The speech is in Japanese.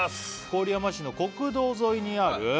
「郡山市の国道沿いにある」